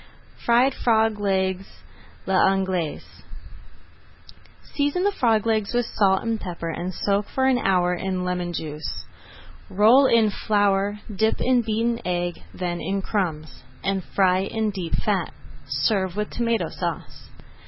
[Page 153] FRIED FROG LEGS À L'ANGLAISE Season the frog legs with salt and pepper and soak for an hour in lemon juice. Roll in flour, dip in beaten egg, then in crumbs, and fry in deep fat. Serve with Tomato Sauce.